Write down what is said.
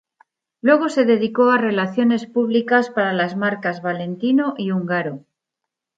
Luego se dedicó a relaciones públicas para las marcas Valentino y Ungaro.